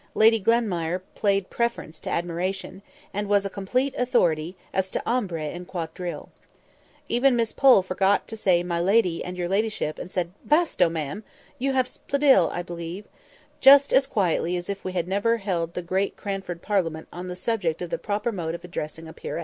Lady Glenmire played Preference to admiration, and was a complete authority as to Ombre and Quadrille. Even Miss Pole quite forgot to say "my lady," and "your ladyship," and said "Basto! ma'am"; "you have Spadille, I believe," just as quietly as if we had never held the great Cranford Parliament on the subject of the proper mode of addressing a peeress.